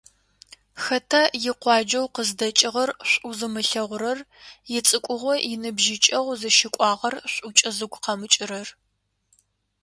Хэта икъуаджэу къыздэкӏыгъэр шӏу зымылъэгъурэр, ицӏыкӏугъо - иныбжьыкӏэгъу зыщыкӏуагъэр шӏукӏэ зыгу къэмыкӏырэр?